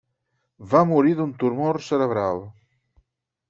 Va morir d'un tumor cerebral.